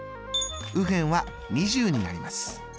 右辺は２０になります。